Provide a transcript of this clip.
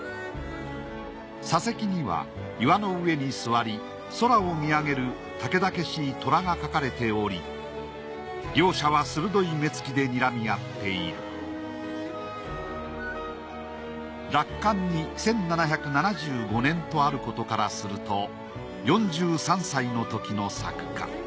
左隻には岩の上に座り空を見上げる猛々しい虎が描かれており両者は鋭い目つきでにらみ合っている落款に１７７５年とあることからすると４３歳のときの作か？